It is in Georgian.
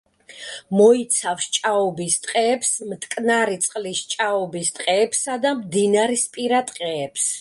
მოიცავს ჭაობის ტყეებს, მტკნარი წყლის ჭაობის ტყეებსა და მდინარისპირა ტყეებს.